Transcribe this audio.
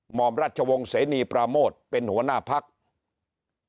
หมอมรัชวงศ์เสนีปราโมทเป็นหัวหน้าพัก